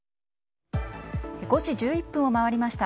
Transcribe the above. ５時１１分を回りました。